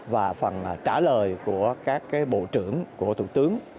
và phần trả lời của các bộ trưởng của thủ tướng